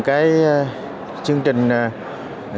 chương trình của quốc hội